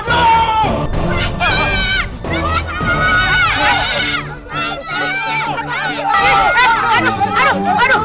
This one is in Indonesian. kamu kamu diambil